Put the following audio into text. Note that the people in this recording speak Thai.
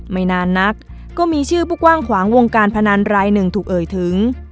ไม่นานนักก็มีชื่อผู้กว้างขวางวงการพนันรายหนึ่งถูกเอ่ยถึง